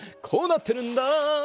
こうなってるんだ。